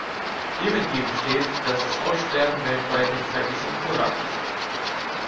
Dem entgegen steht, dass das Aussterben weltweit nicht zeitlich synchron ablief.